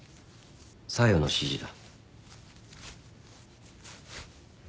小夜の指示だ。